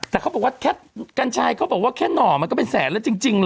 แต่เขาบอกว่าแค่กัญชัยเขาบอกว่าแค่หน่อมันก็เป็นแสนแล้วจริงเหรอ